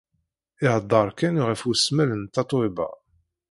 Iheddeṛ kan ɣef wesmel n Tatoeba.